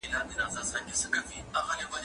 زه اوږده وخت کتابتون ته راځم وم.